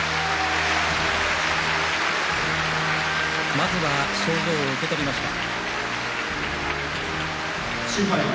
まずは賞状を受け取りました。